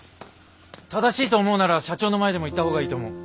正しいと思うなら社長の前でも言った方がいいと思う。